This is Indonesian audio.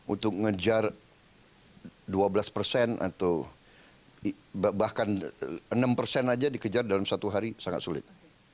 untuk ngejar dua belas persen atau bahkan enam persen saja dikejar dalam satu hari sangat sulit